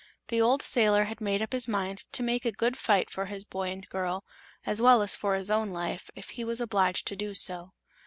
The old sailor had made up his mind to make a good fight for his boy and girl, as well as for his own life, if he was obliged to do so.